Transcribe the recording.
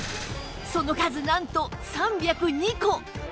その数なんと３０２個！